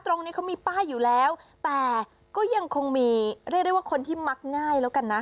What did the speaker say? ตรงนี้เขามีป้ายอยู่แล้วแต่ก็ยังคงมีเรียกได้ว่าคนที่มักง่ายแล้วกันนะ